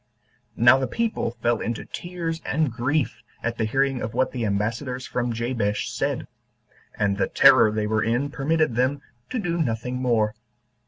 Now the people fell into tears and grief at the hearing of what the ambassadors from Jabesh said; and the terror they were in permitted them to do nothing more.